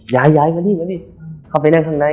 ย้ายมานี่เข้าไปนั่งข้างใน